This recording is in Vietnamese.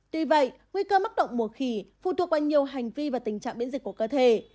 tuy vậy nguy cơ mắc động mùa khỉ phụ thuộc qua nhiều hành vi và tình trạng biến dịch của cơ thể